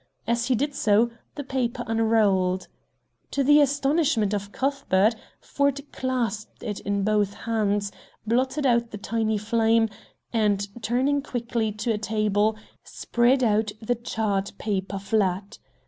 As he did so the paper unrolled. To the astonishment of Cuthbert, Ford clasped it in both hands, blotted out the tiny flame, and, turning quickly to a table, spread out the charred paper flat.